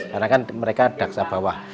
karena kan mereka daksa bawah